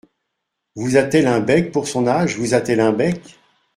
Vous a-t-elle un bec pour son âge ! vous a-t-elle un bec !